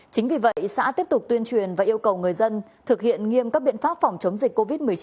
chính vì vậy xã tiếp tục tuyên truyền và yêu cầu người dân thực hiện nghiêm các biện pháp phòng chống dịch covid một mươi chín